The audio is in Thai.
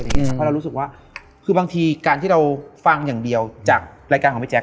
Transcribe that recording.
เพราะเรารู้สึกว่าคือบางทีการที่เราฟังอย่างเดียวจากรายการของพี่แจ๊